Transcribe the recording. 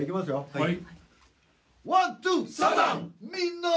はい。